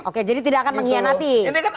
oke jadi tidak akan mengkhianati pak prabowo